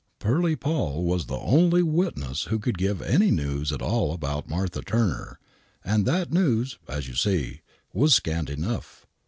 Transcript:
" Pearly Poll " was the only witness who could give any news at all about Martha Turner, and that news, as you see, was scant enough.